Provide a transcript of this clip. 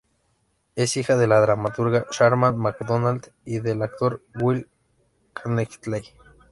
Es hija de la dramaturga Sharman MacDonald y del actor Will Knightley.